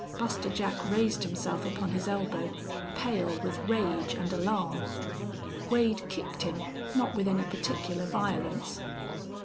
Buster Jack raised himself upon his elbow, pale with rage and alarm. Wade kicked him, not with any particular violence.